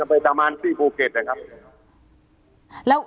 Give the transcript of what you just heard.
ไปประมาณที่ภูเก็ตนะครับ